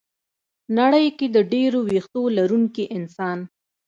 ه نړۍ کې د ډېرو وېښتو لرونکي انسان